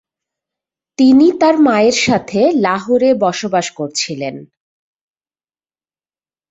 তিনি তার মায়ের সাথে লাহোরে বসবাস করছিলেন।